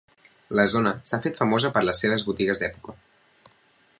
La zona s'ha fet famosa per les seves botigues d'època.